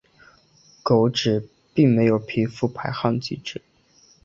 狗只并没有皮肤排汗机制。